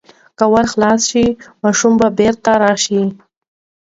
که ور خلاص شي، ماشوم به بیرته راشي.